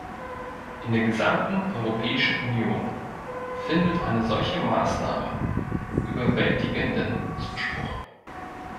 In der gesamten Europäischen Union findet eine solche Maßnahme überwältigenden Zuspruch.